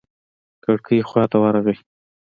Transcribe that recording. کړکۍ خوا ته ورغى.